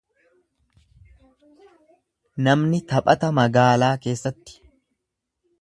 Namni taphata magaalaa keessatti.